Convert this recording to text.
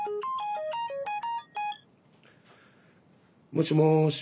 もしもし。